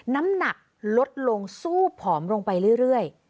น้ำหนักลดลงสู้ผอมลงไปเรื่อย